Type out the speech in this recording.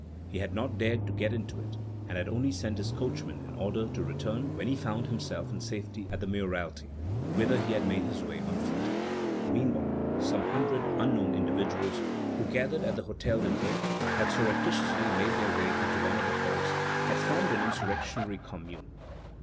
He had not dared to get into it, and had only sent his coachman an order to return when he found himself in safety at the mayoralty, whither he had made his way on foot. Meanwhile, some hundred unknown individuals, who gathered at the Hôtel de Ville, and surreptitiously made their way into one of the halls, had formed an insurrectionary Commune.